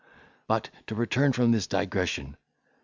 But, to return from this digression.